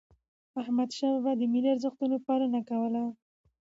احمد شاه بابا د ملي ارزښتونو پالنه کوله.